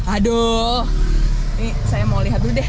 aduh ini saya mau lihat dulu deh